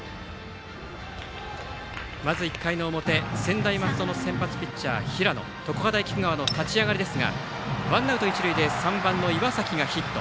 まず１回の表、専大松戸の先発ピッチャー、平野常葉大菊川の立ち上がりですがワンアウト一塁で３番の岩崎がヒット。